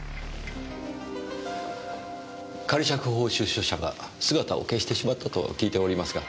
仮釈放出所者が姿を消してしまったと聞いておりますが。